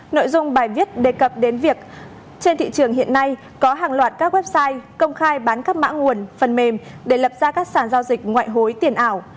nội dung bài viết đề cập đến việc trên thị trường hiện nay có hàng loạt các website công khai bán các mã nguồn phần mềm để lập ra các sản giao dịch ngoại hối tiền ảo